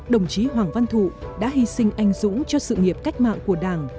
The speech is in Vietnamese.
đồng chí hoàng văn thụ đã hy sinh anh dũng cho sự nghiệp cách mạng của đảng